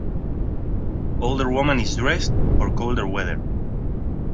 Older woman is dressed for colder weather.